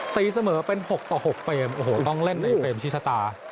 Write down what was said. ตีเสมอเป็น๖ต่อ๖เฟรมโอ้โหต้องเล่นในเฟรมชิชะตา